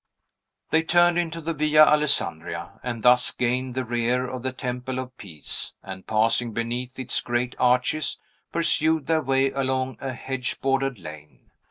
They turned into the Via Alessandria, and thus gained the rear of the Temple of Peace, and, passing beneath its great arches, pursued their way along a hedge bordered lane.